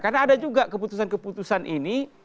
karena ada juga keputusan keputusan ini